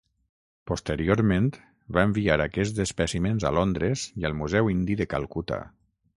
Porteriorment, va enviar aquests espècimens a Londres i al Museu Indi de Calcuta.